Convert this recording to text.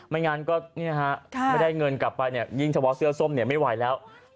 ไม่งั้นก็ไม่ได้เงินกลับไปเนี่ยยิ่งเฉพาะเสื้อส้มไม่ไหวแล้ว